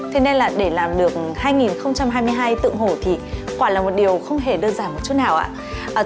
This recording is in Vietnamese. thế nên là để làm được hai nghìn hai mươi hai tượng hổ thì quả là một điều không hề đơn giản một chút nào ạ